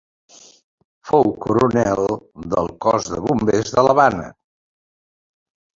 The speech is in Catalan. Fou coronel del cos de bombers de l’Havana.